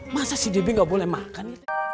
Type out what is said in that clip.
masa si debbie gak boleh makan